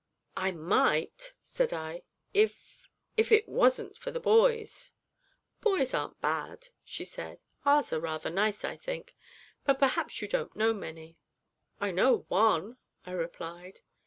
'I might,' said I, 'if if it wasn't for the boys!' 'Boys aren't bad,' she said; 'ours are rather nice, I think. But perhaps you don't know many?' 'I know one,' I replied.